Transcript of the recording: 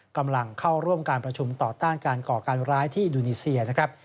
กำลังเข้าร่วมการประชุมต่อต้านการก่อการร้ายที่อินโดนีเซียนะครับ